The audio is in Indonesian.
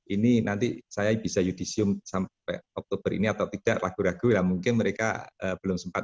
ini nanti saya bisa judicium sampai oktober ini atau tidak ragu ragu lah mungkin mereka belum sempat